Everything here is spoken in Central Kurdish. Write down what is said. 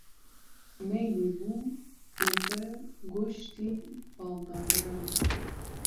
مەیلی بوو لەسەر گۆشتی باڵداران